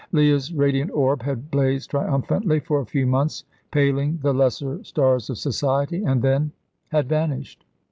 Leah's radiant orb had blazed triumphantly for a few months, paling the lesser stars of society, and then had vanished.